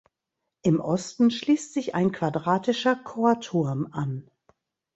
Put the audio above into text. Im Osten schließt sich ein quadratischer Chorturm an.